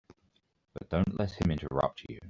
But don't let him interrupt you.